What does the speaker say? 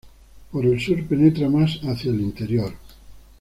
Por el sur penetra más hacia el interior.